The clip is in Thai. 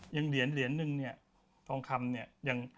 เหรียญเหรียญหนึ่งเนี่ยทองคำเนี่ย